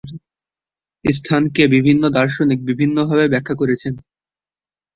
স্থানকে বিভিন্ন দার্শনিক বিভিন্নভাবে ব্যাখ্যা করেছেন।